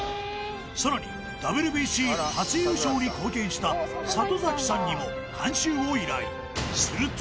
さらにＷＢＣ初優勝に貢献した里崎さんにも監修を依頼すると